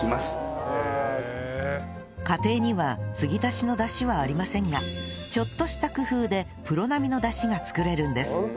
家庭には継ぎ足しのダシはありませんがちょっとした工夫でプロ並みのダシが作れるんです